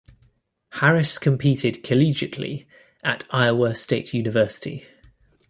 Harris competed collegiately at Iowa State University.